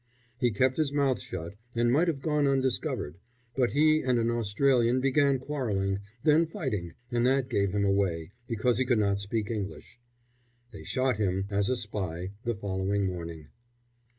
He kept his mouth shut, and might have gone undiscovered, but he and an Australian began quarrelling, then fighting, and that gave him away, because he could not speak English. They shot him, as a spy, the following morning.